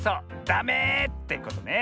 「ダメ！」ってことね。